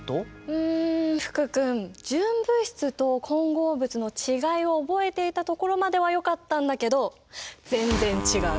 うん福君純物質と混合物の違いを覚えていたところまではよかったんだけど全然違う。